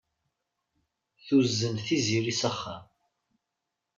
Tuzen Tiziri s axxam.